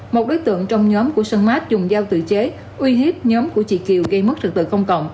một đối tượng trong nhóm của xuân mát dùng dao tự chế uy hiếp nhóm của chị kiều gây mất trực tự công cộng